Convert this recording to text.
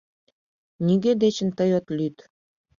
Нигӧ дечын тый от лӱд.